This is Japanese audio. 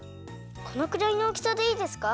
このくらいのおおきさでいいですか？